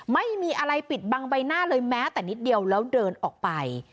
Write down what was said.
ไม่มีอะไรปิดบังใบหน้าเลยแม้แต่นิดเดียวแล้วเดินออกไป